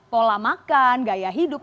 pola makan gaya hidup